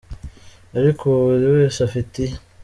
Ariko ubu buri wese afite iye.